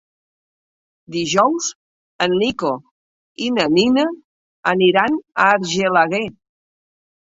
Dijous en Nico i na Nina aniran a Argelaguer.